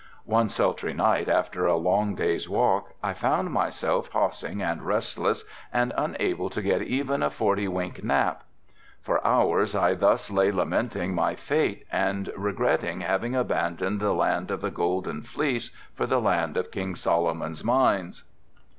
One sultry night, after a long day's walk, I found myself tossing and restless and unable to get even a forty wink nap. For hours I thus lay lamenting my fate and regretting having abandoned the land of the Golden Fleece for the land of King Solomon's mines.